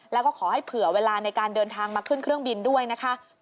แล้วก็ขอให้เผื่อเวลาในการเดินทางมาขึ้นเครื่องบินด้วยนะคะ